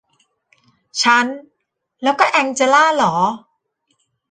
ฉันแล้วก็แองเจล่าหรอ